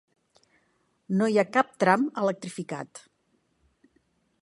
No hi ha cap tram electrificat.